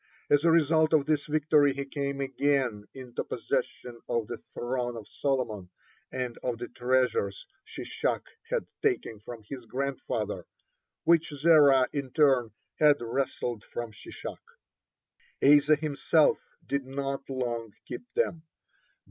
As a result of this victory he came again into possession of the throne of Solomon and of the treasures Shishak had taken from his grandfather, which Zerah in turn had wrested form Shishak. (19) Asa himself did not long keep them.